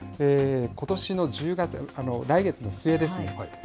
ことしの１０月この、来月の末です。